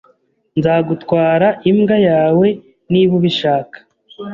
Nzagutwara imbwa yawe niba ubishaka.